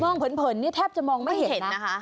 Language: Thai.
มองเผินแทบจะมองไม่เห็นนะไม่เห็นนะฮะ